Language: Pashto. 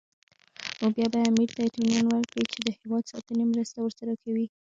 نو بیا به امیر ته اطمینان ورکړي چې د هېواد ساتنې مرسته ورسره کوي.